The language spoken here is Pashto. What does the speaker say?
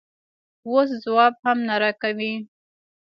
اوس ځواب هم نه راکوې؟